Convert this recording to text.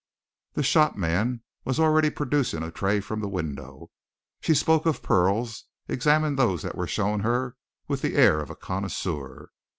The shopman was already producing a tray from the window. She spoke of pearls, and examined those that were shown her with the air of a connoisseur.